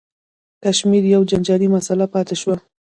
کشمیر یوه جنجالي مسله پاتې شوه.